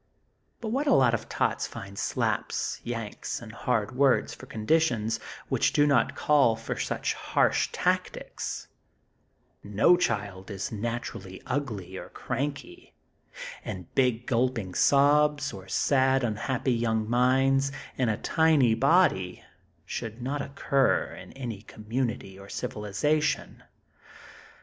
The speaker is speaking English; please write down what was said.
But what a lot of tots find slaps, yanks and hard words for conditions which do not call for such harsh tactics! No child is naturally ugly or "cranky." And big, gulping sobs, or sad, unhappy young minds, in a tiny body should not occur in any community of civilization.